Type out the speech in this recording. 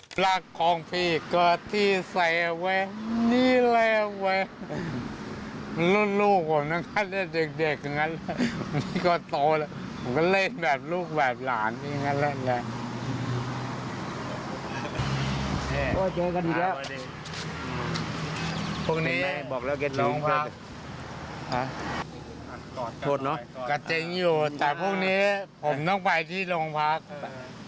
ไปไหมลุงปั๊ก